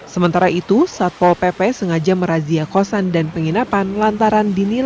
sementara itu satpol pp sengaja merazia kosan dan penginapan lantaran dinilai